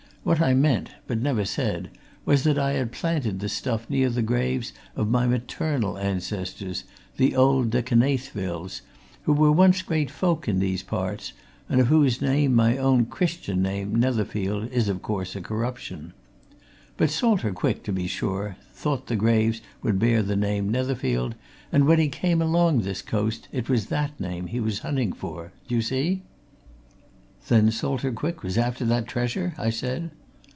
What I meant but never said was that I had planted the stuff near the graves of my maternal ancestors, the old De Knaythevilles, who were once great folk in these parts, and of whose name my own Christan name, Netherfield, is, of course, a corruption. But Salter Quick, to be sure, thought the graves would bear the name Netherfield, and when he came along this coast, it was that name he was hunting for. Do you see?" "Then Salter Quick was after that treasure?" I said.